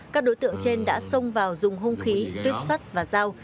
các đối tượng trên đã xông vào dùng hôn khí tuyếp xuất và dao